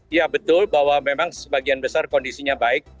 ya betul bahwa memang sebagian besar kondisinya baik